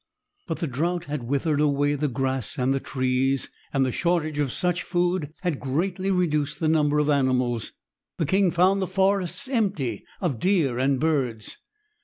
But the drought had withered away the grass and the trees, and the shortage of such food had greatly reduced the number of animals. The king found the forests empty of deer and birds.